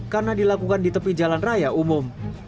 karena dilakukan di tepi jalan raya umum